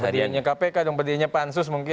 pembediannya kpk pembediannya pak ansus mungkin